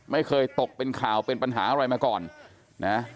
ไม่เคยตกเป็นข่าวเป็นปัญหาอะไรมาก่อนนะ